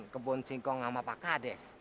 kebun singkong sama pak kades